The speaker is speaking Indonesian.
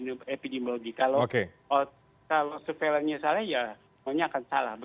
kalau surveillance salah ya soalnya akan salah